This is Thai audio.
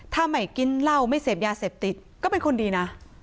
ถ้าไม่กินเหล้าไม่เสพยาเสพติดก็เป็นคนดีนะ